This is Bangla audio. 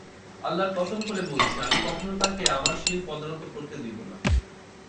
আল্লাহর কসম করে বলছি, আমি কখনো তাকে আমার শির পদানত করতে দিব না।